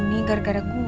a itu y cukup garis sih